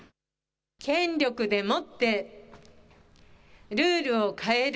権力でもってルールを変える。